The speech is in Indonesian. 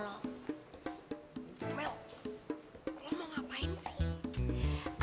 lo mau ngapain sih